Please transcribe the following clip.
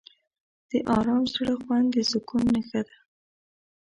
د آرام زړه خوند د سکون نښه ده.